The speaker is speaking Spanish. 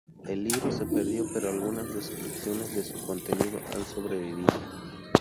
El libro se perdió, pero algunas descripciones de su contenido han sobrevivido.